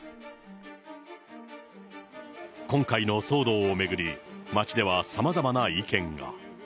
今回の騒動を巡り、街ではさまざまな意見